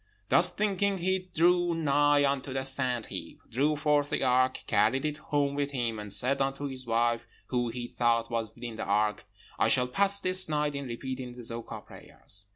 Thus thinking he drew nigh unto the sand heap, drew forth the ark, carried it home with him, and said unto his wife, who he thought was within the ark, 'I shall pass this night in repeating the Zoka prayers.'